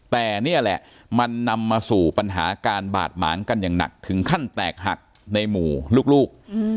แต่นี่แหละมันนำมาสู่ปัญหาการบาดหมางกันอย่างหนักถึงขั้นแตกหักในหมู่ลูก